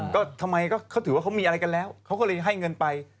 ก็ทำไมเขาถือว่าเขามีอะไรกันแล้วเขาก็เลยให้เงินไป